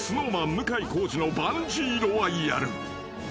向井康二のバンジー・ロワイアル］